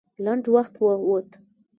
لنډ وخت ووت.